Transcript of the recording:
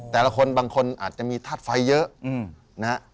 แต่ละคนบางคนอาจจะมีธาตุไฟเยอะนะฮะ